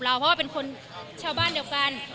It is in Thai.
เพราะว่าเป็นคนชาวบ้านเดียวกัน